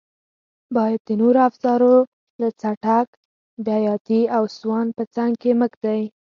باید د نورو افزارو لکه څټک، بیاتي او سوان په څنګ کې مه ږدئ.